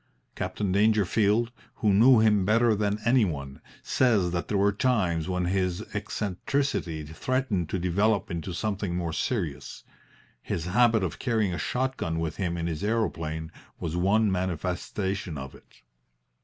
Captain Dangerfield, who knew him better than any one, says that there were times when his eccentricity threatened to develop into something more serious. His habit of carrying a shot gun with him in his aeroplane was one manifestation of it.